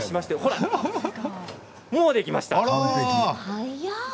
もうできました。